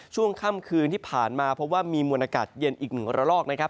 ช่วงค่ำคืนที่ผ่านมาเพราะว่ามีมวลอากาศเย็นอีกหนึ่งระลอกนะครับ